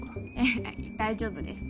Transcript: いや大丈夫です